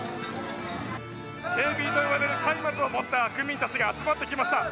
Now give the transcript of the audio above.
テービーといわれる松明を持った区民たちが集まってきました。